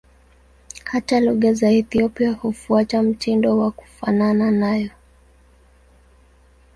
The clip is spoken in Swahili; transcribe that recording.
Hata lugha za Ethiopia hufuata mtindo wa kufanana nayo.